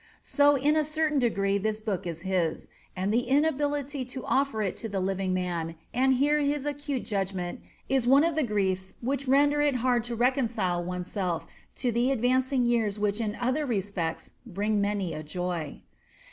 So in a certain degree this book is his, and the inability to offer it to the living man and hear his acute judgment is one of the griefs which render it hard to reconcile oneself to the advancing years which in other respects bring many a joy.